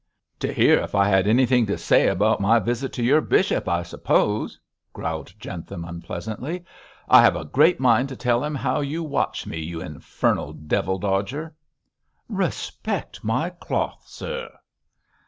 'To hear if I had anything to say about my visit to your bishop, I suppose?' growled Jentham, unpleasantly. 'I have a great mind to tell him how you watch me, you infernal devil dodger!' 'Respect my cloth, sir.'